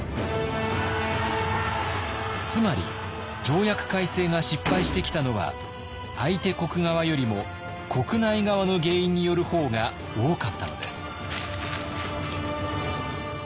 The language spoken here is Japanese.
つまり条約改正が失敗してきたのは相手国側よりも国内側の原因による方が多かったのです。